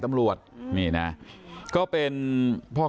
ท่านดูเหตุการณ์ก่อนนะครับ